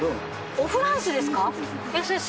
おフランスですか？